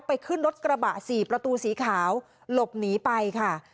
ขึ้นรถกระบะสี่ประตูสีขาวหลบหนีไปค่ะ